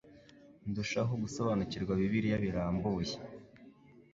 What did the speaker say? ndushaho gusobanukirwa Bibiliya birambuye